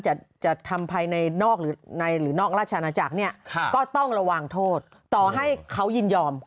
อื้มนั่นคือสิ่งที่